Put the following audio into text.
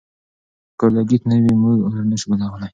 که اورلګیت نه وي، موږ اور نه شو بلولی.